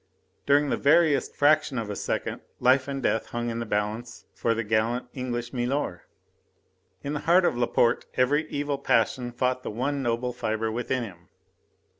During the veriest fraction of a second life and death hung in the balance for the gallant English milor. In the heart of Laporte every evil passion fought the one noble fibre within him.